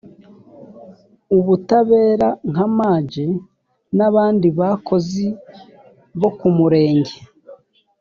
ubutabera nka maj n abandi bakozi bo ku murenge